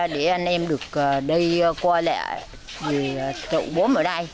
để anh em được đi qua lại trộn bốm ở đây